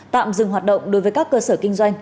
tạm dừng hoạt động đối với các cơ sở kinh doanh